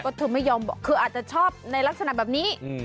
เธอไม่ยอมบอกคืออาจจะชอบในลักษณะแบบนี้